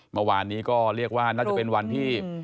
เมื่อวานนี้ก็เรียกว่าน่าจะเป็นวันที่